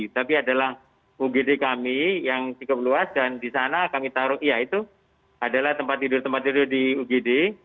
tapi adalah ugd kami yang cukup luas dan di sana kami taruh ya itu adalah tempat tidur tempat tidur di ugd